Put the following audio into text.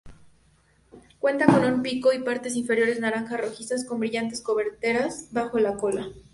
Cuenta con un pico y partes inferiores naranja-rojizas con brillantes coberteras bajo la cola.